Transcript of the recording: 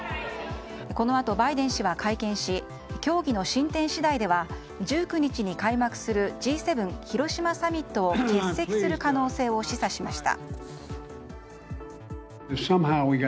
このあとバイデン氏は会見し協議の進展次第では１９日に開幕するＧ７広島サミットを欠席する可能性を示唆しました。